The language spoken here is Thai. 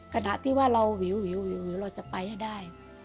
กระดะที่ว่าเราหวิวหวิวหวิวเราจะไปให้ได้